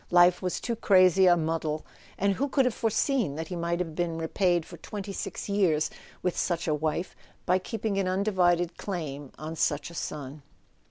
Life was too crazy a muddle—and who could have foreseen that he might have been repaid for twenty six years wdth such a wife by keeping an undivided claim bn such a son